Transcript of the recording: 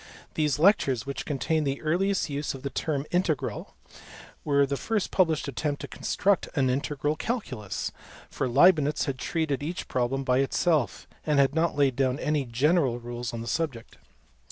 These lectures, which contain the earliest use of the term integral, were the first published attempt to construct an integral calculus ; for Leibnitz had treated each problem by itself, and had not laid down any general rules on the subject.